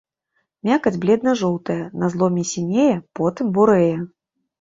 Мякаць бледна-жоўтая, на зломе сінее, потым бурэе.